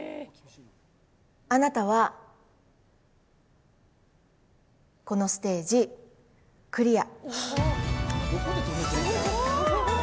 あなたは、このステージ、クリア。